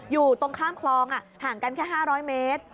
อยู่ตรงข้ามคลองห่างกันแค่๕๐๐เมตร